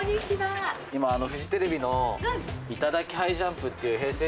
今フジテレビの『いただきハイジャンプ』っていうＨｅｙ！